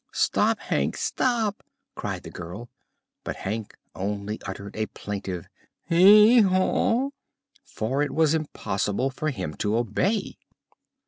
"Stop, Hank stop!" cried the girl; but Hank only uttered a plaintive "Hee haw!" for it was impossible for him to obey.